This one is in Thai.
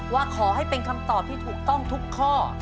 ว่าขอให้เป็นคำตอบที่ถูกต้องทุกข้อ